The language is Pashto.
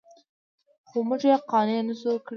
خو موږ یې قانع نه شوو کړی.